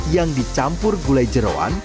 yang dicampur gulai jerawan